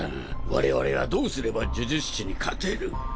我々はどうすれば呪術師に勝てる？